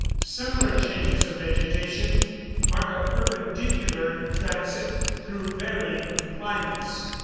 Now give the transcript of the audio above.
Similar changes of vegetation mark a perpendicular transit through varying climates.